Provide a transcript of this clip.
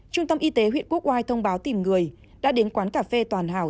trung tâm y tế huyện quốc y thông báo tìm người đã đến quán cà phê toàn hào